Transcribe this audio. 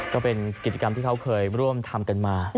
ก็เป็นกิจกรรมที่เขาเคยร่วมทำกันมา